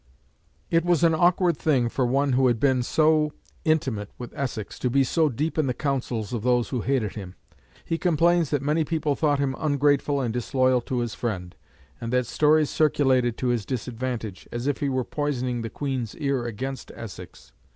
It was an awkward thing for one who had been so intimate with Essex to be so deep in the counsels of those who hated him. He complains that many people thought him ungrateful and disloyal to his friend, and that stories circulated to his disadvantage, as if he were poisoning the Queen's ear against Essex.